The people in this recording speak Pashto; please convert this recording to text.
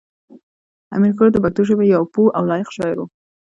امیر کروړ د پښتو ژبې یو پوه او لایق شاعر و.